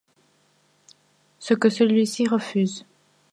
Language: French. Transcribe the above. Ce que celui-ci refuse.